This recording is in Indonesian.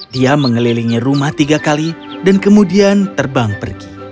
dia mengelilingi rumah tiga kali dan kemudian terbang pergi